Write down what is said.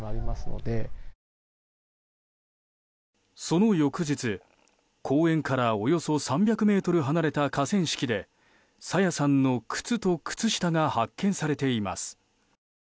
その翌日、公園からおよそ３００ｍ離れた河川敷で朝芽さんの靴と靴下が発見されています。